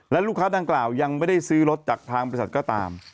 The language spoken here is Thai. และลูกค้าดังกล่าวยังไม่ได้ซื้อรถจากทางบริษัทก็ตาม